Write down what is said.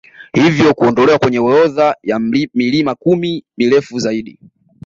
Hivyo kuondolewa kwenye orodha ya milima kumi mirefu zaidi